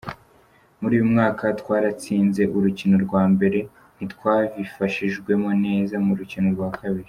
"Muri uyu mwaka twaratsinze urukino rwa mbere, ntitwavyifashemwo neza mu rukino rwa kabiri.